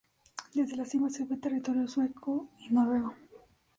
Desde la cima se ve territorio sueco y noruego.